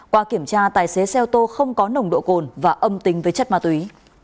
qua kiểm tra tài xế xe ô tô không có nồng độ cồn và âm tính với chất ma túy